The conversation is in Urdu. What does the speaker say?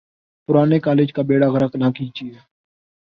پرانے کالج کا بیڑہ غرق نہ کیجئے۔